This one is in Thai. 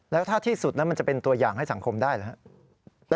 แล้วถ้าที่สุดนั้นมันจะเป็นตัวอย่างให้สังคมได้หรือครับ